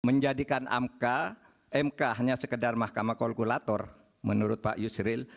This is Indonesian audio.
menjadikan mk mk hanya sekedar mahkamah kolkulator menurut pak yusril